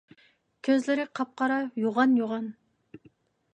كۆزلىرى قاپقارا، يوغان - يوغان.